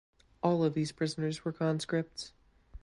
All of these prisoners were conscripts.